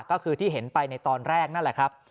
ก็คือที่เห็นไปในตอนแรกนั่นแหละครับ